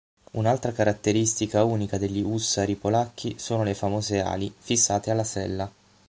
Un'altra caratteristica unica degli ussari polacchi sono le famose "ali", fissate alla sella.